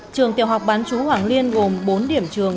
trường tiểu học bán chú hoàng liên gồm bốn điểm trường